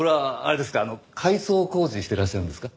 改装工事していらっしゃるんですか？